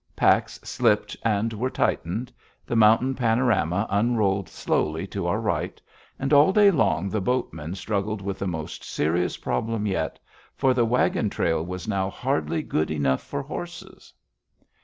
Packs slipped and were tightened. The mountain panorama unrolled slowly to our right. And all day long the boatmen struggled with the most serious problem yet, for the wagon trail was now hardly good enough for horses.